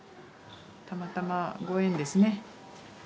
たまたまご縁ですね。